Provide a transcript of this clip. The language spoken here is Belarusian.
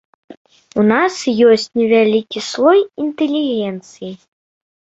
У нас ёсць невялікі слой інтэлігенцыі.